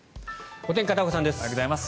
おはようございます。